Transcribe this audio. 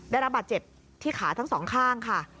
ได้รับบาดเจ็บที่ขาทั้งสองข้างค่ะ